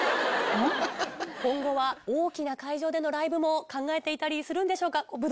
今後は大きな会場でのライブも考えているんでしょうか？